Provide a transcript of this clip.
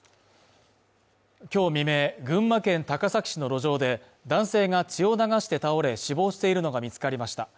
今日未明、群馬県高崎市の路上で男性が血を流して倒れ死亡しているのが見つかりました。